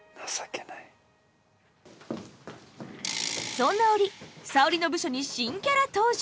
そんな折沙織の部署に新キャラ登場！